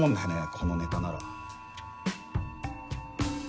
このネタなら。